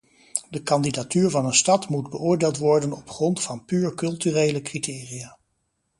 De kandidatuur van een stad moet beoordeeld worden op grond van puur culturele criteria.